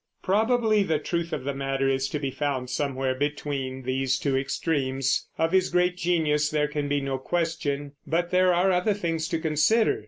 Probably the truth of the matter is to be found somewhere between these two extremes. Of his great genius there can be no question; but there are other things to consider.